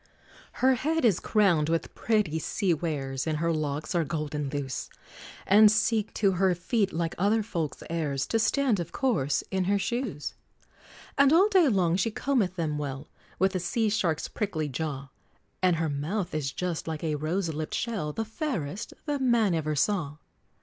Her head is crowned with pretty sea wares, And her locks are golden loose, And seek to her feet, like other folks' heirs, To stand, of course, in her shoes! And all day long she combeth them well, With a sea shark's prickly jaw; And her mouth is just like a rose lipped shell, The fairest that man e'er saw!